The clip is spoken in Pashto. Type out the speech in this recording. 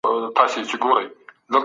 پُل دي ولي کړ پر جوړ منطق یې څه دي